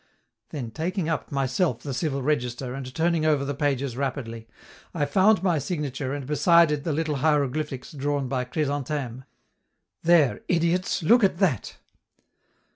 Then, taking up myself the civil register, and turning over the pages rapidly, I found my signature and beside it the little hieroglyphics drawn by Chrysantheme: "There, idiots, look at that!"